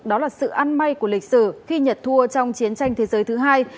đó là sự ăn may của lịch sử khi nhật thua trong chiến tranh thế giới thứ hai